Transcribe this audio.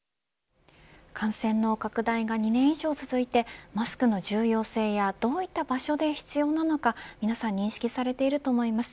感染の拡大が２年以上続いてマスクの重要性やどういった場所で必要なのか皆さん認識されていると思います。